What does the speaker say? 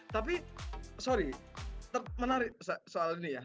tapi sorry menarik soal ini ya